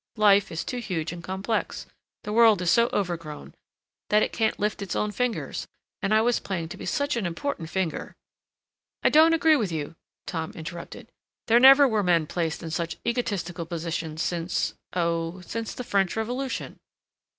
Life is too huge and complex. The world is so overgrown that it can't lift its own fingers, and I was planning to be such an important finger—" "I don't agree with you," Tom interrupted. "There never were men placed in such egotistic positions since—oh, since the French Revolution."